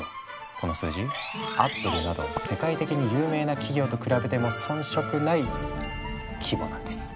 この数字アップルなど世界的に有名な企業と比べても遜色ない規模なんです。